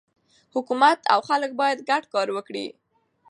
حکومت او خلک باید ګډ کار وکړي.